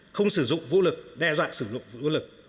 không sử dụng vũ lực đe dọa sử dụng vũ lực